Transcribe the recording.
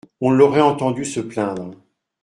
On l’aurait entendu se plaindre.